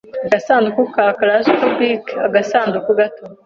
agasanduku ka claustrophobic agasanduku gato